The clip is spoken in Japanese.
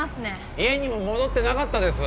家にも戻ってなかったです